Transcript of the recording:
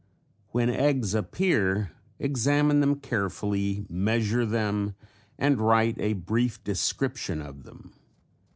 When eggs appear examine them carefully, measure them and write a brief description of them.